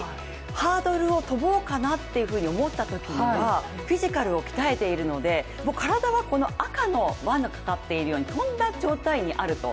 ハードルを飛ぼうかなと思ったときにはフィジカルを鍛えているので体は赤の輪のかかっているように、飛んだ状態にあると。